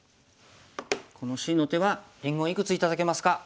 このＣの手はりんごいくつ頂けますか？